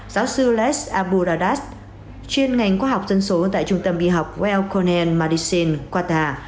giáo sư les aburadas chuyên ngành khoa học dân số tại trung tâm bi học well connected medicine qatar